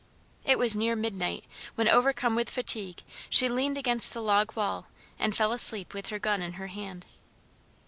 It was near midnight when overcome with fatigue she leaned against the log wall and fell asleep with her gun in her hand.